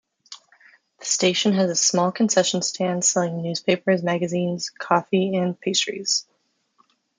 The station has a small concession stand selling newspapers, magazines, coffee and pastries.